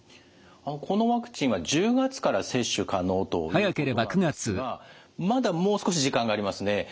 このワクチンは１０月から接種可能ということなんですがまだもう少し時間がありますね。